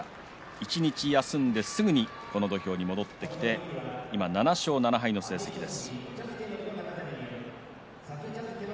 一日休んで、すぐにこの土俵に戻ってきて今、７勝７敗の成績です。